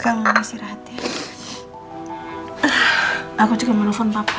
tolong kamu jangan telfon papa